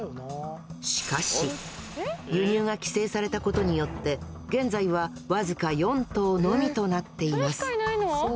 しかし輸入が規制されたことによって現在は僅か４頭のみとなっています。